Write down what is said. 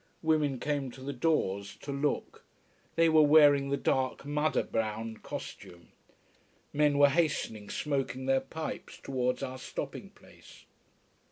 Women came to the doors to look. They were wearing the dark madder brown costume. Men were hastening, smoking their pipes, towards our stopping place.